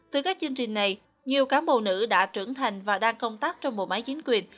từ các chương trình này nhiều cán bộ nữ đã trưởng thành và đang công tác trong bộ máy chính quyền